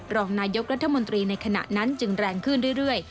รองนายกรัฐมนตรีในขณะนั้นจึงแรงขึ้นเรื่อย